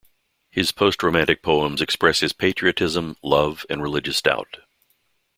His post-romantic poems express his patriotism, love and religious doubt.